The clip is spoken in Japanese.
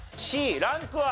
Ｃランクは？